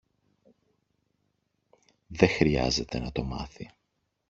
Δε χρειάζεται να το μάθει.